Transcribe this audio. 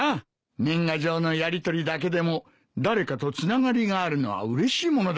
年賀状のやりとりだけでも誰かとつながりがあるのはうれしいものだからな。